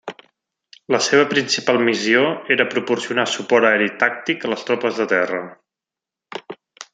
La seva principal missió era proporcionar suport aeri tàctic a les tropes de terra.